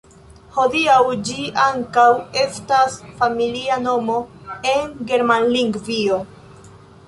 Hodiaŭ ĝi ankaŭ estas familia nomo en Germanlingvio.